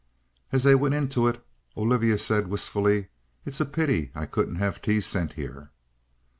As they went into it, Olivia said wistfully: "It's a pity I couldn't have tea sent here."